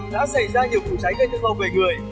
đã xảy ra nhiều phủ cháy gây thất vọng về người